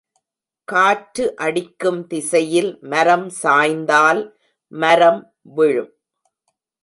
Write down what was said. காற்று அடிக்கும் திசையில் மரம் சாய்ந்தால் மரம் விழும்.